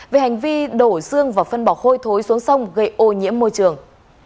về hành vi đổ xương và phân bỏ hôi thối xuống sông gây ô nhiễm môi trường